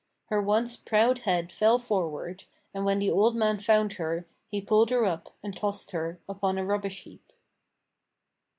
Her once proud head fell forward, and when the old man found her he pulled her up and tossed her upon a rubbish heap.